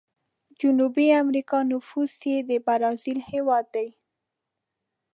جنوبي امريکا نفوس یې د برازیل هیواد دی.